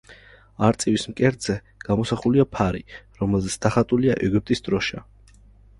არწივის მკერდზე გამოსახულია ფარი, რომელზეც დახატულია ეგვიპტის დროშა.